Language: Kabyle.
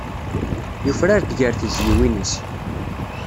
Yufrar-d ger tizzyiwin-is.